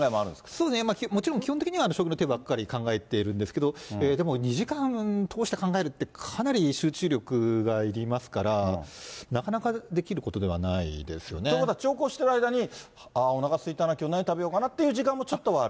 そうですね、基本的には勝負の手ばっかり考えてるんですけど、２時間考えているというのはかなり集中力いりますから、なかなかできることではないですよね。ということは長考している間におなかすいたな、きょう何食べようかなっていう時間もちょっとはある？